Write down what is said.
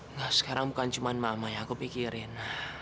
enggak sekarang bukan cuma mama yang aku pikirin